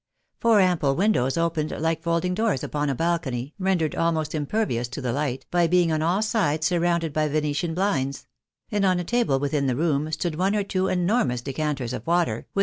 Four ample windows opened hke folding doors upon a balcony, rendered almost impervious to the light, by being on aU sides surrounded by Venetian bhnds ; and on a table within the room stood one or two enormous decanters of water, with PRIVILEGES OF MARRIED WOMEN.